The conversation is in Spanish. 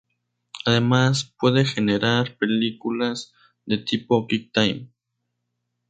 Además puede generar películas de tipo QuickTime.